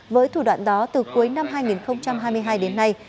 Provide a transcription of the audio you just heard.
với thủ đoạn đó từ cuối năm hai nghìn hai mươi hai đến nay